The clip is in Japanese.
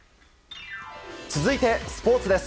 続いて、スポーツです。